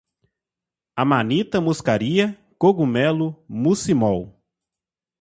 amanita muscaria, cogumelo, muscimol